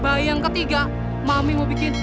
bayang ketiga mami mau bikin